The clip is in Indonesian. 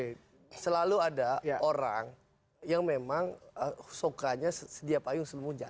itu ada orang yang memang sukanya setiap ayun sebelum hujan